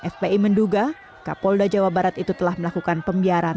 fpi menduga kapolda jawa barat itu telah melakukan pembiaran